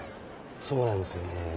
そうなんですよね。